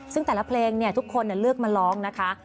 ซึ่งแต่ละเพลงทุกคนเลือกมาร้องนะคะ